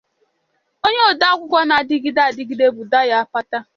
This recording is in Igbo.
Onye odeakwụkwọ na-adịgide adịgide bụ Dayo Apata.